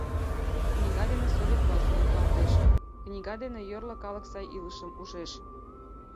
Книга дене Совет власть нӧлталтеш, книга дене йорло калык сай илышым ужеш.